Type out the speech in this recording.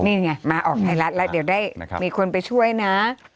นี่ไงมาหมายละแล้วเดี๋ยวได้ให้มีคนไปช่วยนะ